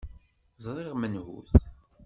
Ẓriɣ menhu-t.